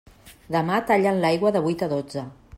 Demà tallen l'aigua de vuit a dotze.